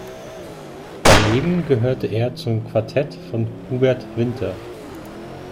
Daneben gehörte er zum Quartett von Hubert Winter.